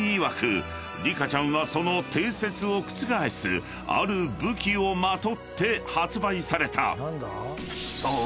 リカちゃんはその定説を覆すある武器をまとって発売された］